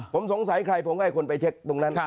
ผมสงสัยใครผมก็ให้คนไปเช็คตรงนั้น